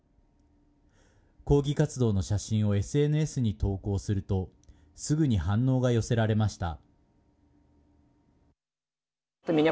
抗議活動の写真をＳＮＳに投稿するとすぐに反応が寄せられました。